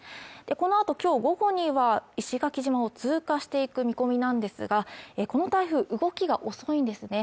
このあときょう午後には石垣島を通過していく見込みなんですがこの台風動きが遅いんですね